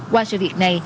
qua sự việc này